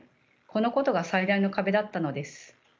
このことが最大の壁だったのです。